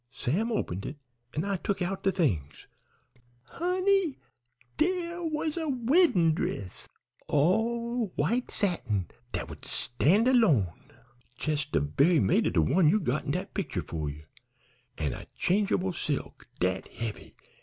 Sam opened it, an' I tuk out de things. Honey! dere was a weddin' dress all white satin dat would stand alone, jes' de ve'y mate of de one you got in dat picter 'fore ye, an' a change'ble silk, dat heavy!